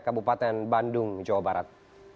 kabupaten bandung jawa barat